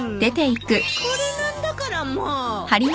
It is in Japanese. これなんだからもう！